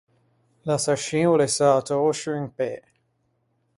L’assascin o l’é sätou sciù in pê.